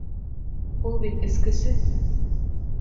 Ул бит эскесе.